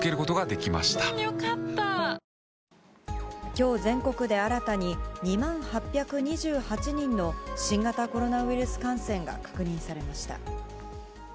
きょう、全国で新たに２万８２８人の新型コロナウイルス感染が確認されました。